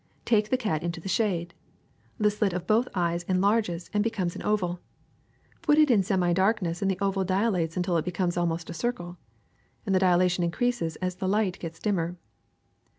Take the cat into the shade. The slit of both eyes en larges and becomes an oval. Put it in semi darkness and the oval dilates until it becomes almost a circle ; and the dilation increases as the light gets dimmer.